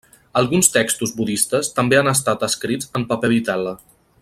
Alguns textos budistes també han estat escrits en paper vitel·la.